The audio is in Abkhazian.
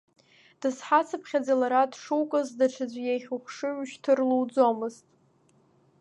Дызҳацыԥхьаӡа лара дшукыз, даҽаӡә иахь ухшыҩ ушьҭыр луӡомызт.